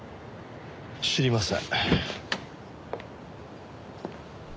知りません。